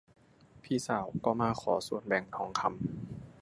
พี่สาวก็มาขอส่วนแบ่งทองคำ